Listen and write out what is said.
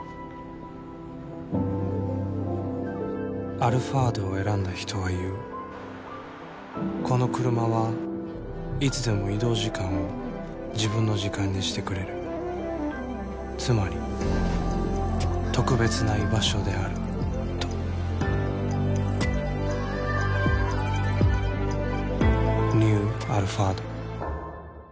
「アルファード」を選んだ人は言うこのクルマはいつでも移動時間を自分の時間にしてくれるつまり特別な居場所であるとニュー「アルファード」